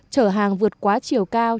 trở hàng vượt quá chiều cao